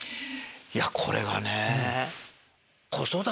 いやこれがね。